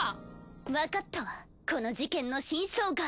わかったわこの事件の真相が。